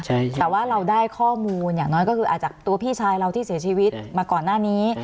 แต่ว่าเราได้ข้อมูลอย่างน้อยก็คืออาจจะตัวพี่ชายเราที่เสียชีวิตมาก่อนหน้านี้